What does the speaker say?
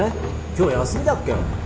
今日休みだっけ？